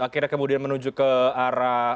akhirnya kemudian menuju ke arah